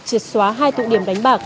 triệt xóa hai tụ điểm đánh bạc